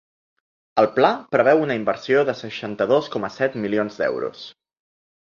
El pla preveu una inversió de seixanta-dos coma set milions d’euros.